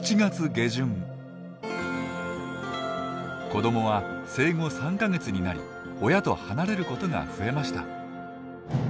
子どもは生後３か月になり親と離れることが増えました。